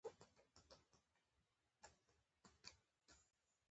په چاپلوسانه انداز ورته موسکای شو